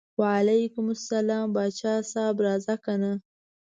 وعلیکم السلام پاچا صاحب راځه کنه.